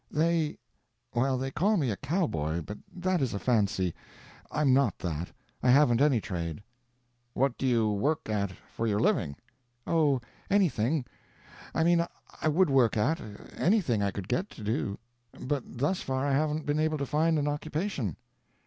"They—well, they call me a cowboy, but that is a fancy. I'm not that. I haven't any trade." "What do you work at for your living?" "Oh, anything—I mean I would work at, anything I could get to do, but thus far I haven't been able to find an occupation."